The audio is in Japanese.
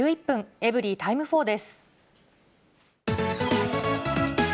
エブリィタイム４です。